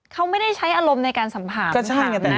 เขาไม่ได้ใช้อารมณ์ในการสัมผัสนะ